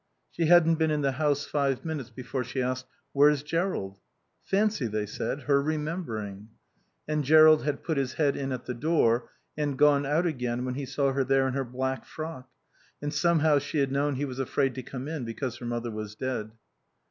She hadn't been in the house five minutes before she asked "Where's Jerrold?" "Fancy," they said, "her remembering." And Jerrold had put his head in at the door and gone out again when he saw her there in her black frock; and somehow she had known he was afraid to come in because her mother was dead.